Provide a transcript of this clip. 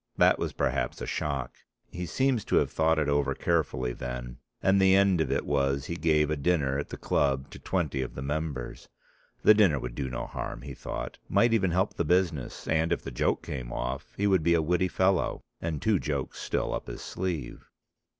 That was perhaps a shock. He seems to have thought it over carefully then, and the end of it was he gave a dinner at the club to twenty of the members. The dinner would do no harm he thought might even help the business, and if the joke came off he would be a witty fellow, and two jokes still up his sleeve.